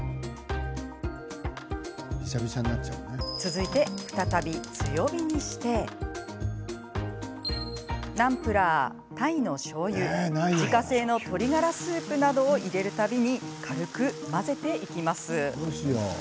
続いて、再び強火にしてナンプラー、タイのしょうゆ自家製の鶏ガラスープなどを入れる度に軽く混ぜていきます。